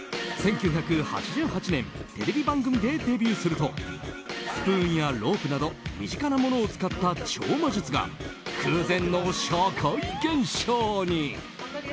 １９８８年テレビ番組でデビューするとスプーンやロープなど身近なものを使った超魔術が空前の社会現象に。